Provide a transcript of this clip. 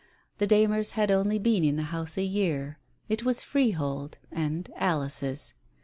The Darners had only been in the house a year; it was freehold, and Alice's.